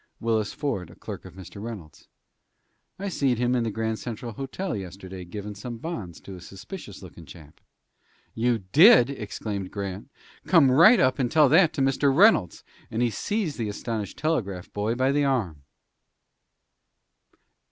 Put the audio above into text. "Willis Ford, a clerk of Mr. Reynolds." "I seed him in the Grand Central Hotel yesterday givin' some bonds to a suspicious lookin' chap." "You did," exclaimed Grant. "Come right up and tell that to Mr. Reynolds," and he seized the astonished telegraph boy by the arm.